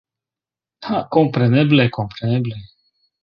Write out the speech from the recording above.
Ha kompreneble kompreneble